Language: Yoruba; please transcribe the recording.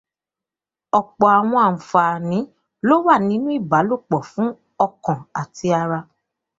Ọ̀pọ̀ àwọn ànfààní ló wà nínú ìbálọ̀pọ̀ fún ọkàn àti ara